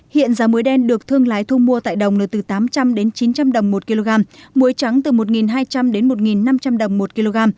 hiện giá muối đen được thương lái thu mua tại đồng nơi từ tám trăm linh chín trăm linh đồng một kg muối trắng từ một hai trăm linh đến một năm trăm linh đồng một kg